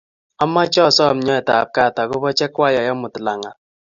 Amache asom nyoet ab gaat akoba chekwayai amut lagat